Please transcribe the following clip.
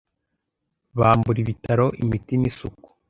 bambura ibitaro imiti nisuku